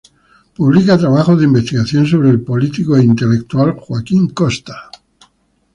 Publica trabajos de investigación sobre el político e intelectual Joaquín Costa.